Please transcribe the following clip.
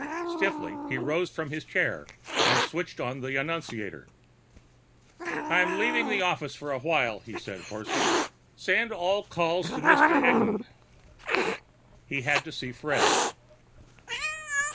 Stiffly he rose from his chair and switched on the annunciator. "I'm leaving the office for a while," he said hoarsely. "Send all calls to Mr. Eglin." He had to see Fred.